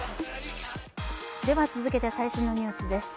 続けて最新のニュースです。